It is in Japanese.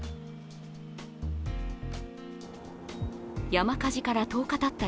山火事から１０日たった